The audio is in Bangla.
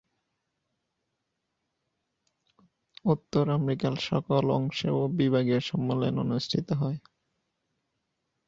উত্তর আমেরিকার সকল অংশেও বিভাগীয় সম্মেলন অনুষ্ঠিত হয়।